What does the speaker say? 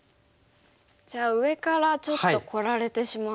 じゃあ上からちょっとこられてしまうんですね。